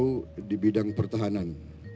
beliau di bidang pertahanan